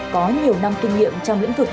có nhiều năm kinh nghiệm trong lĩnh vực